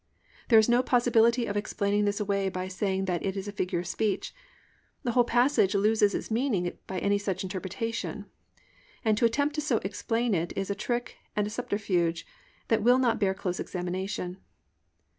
There is no possibility of explaining this away by saying it is a figure of speech, the whole passage loses its meaning by any such interpretation, and to attempt to so explain it is a trick and a subterfuge that will not bear close examination.